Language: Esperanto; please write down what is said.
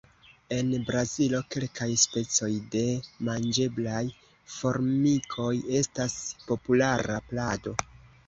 En Brazilo kelkaj specoj de manĝeblaj formikoj estas populara plado.